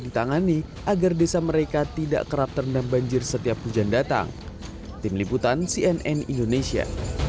ditangani agar desa mereka tidak kerap terendam banjir setiap hujan datang tim liputan cnn indonesia